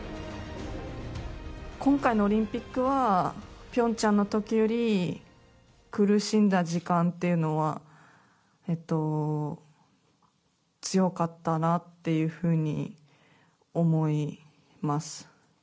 今回のオリンピックは、ピョンチャンのときより苦しんだ時間っていうのは強かったなっていうふうに思います。